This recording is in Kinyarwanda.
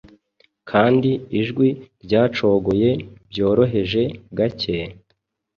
Kandi ijwi ryacogoye byoroheje gake;